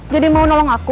jadi mau nolong aku